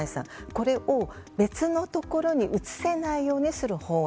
これを別のところに移せないようにする法案